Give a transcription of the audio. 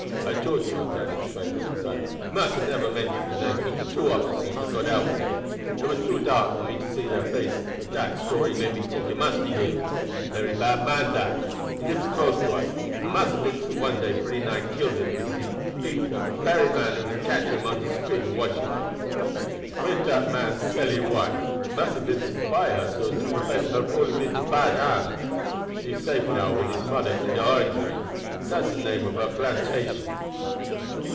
"I tought so," Dan exclaimed in excitement. "Massa never mentioned de names of de two officers who got out wid him, and it war too dark for me to see their faces, but dat story made me tink it must be him. Berry bad man that; he libs close to us, and Massa Vincent one day pretty nigh kill him because he beat dat bery man who has catched him now on de street of Washington. When dat man sell him wife Massa Vincent buy her so as to prevent her falling into bad hands. She safe now wid his mother at de Orangery dat's the name of her plantation."